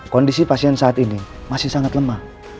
kondisi pasien saat ini masih sangat lemah